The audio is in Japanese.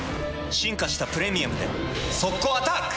進化した「プレミアム」で速攻アタック！